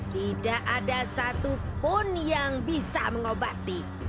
tidak ada satu pun yang bisa mengobati